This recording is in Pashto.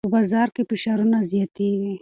په بازار کې فشارونه زیاتېږي.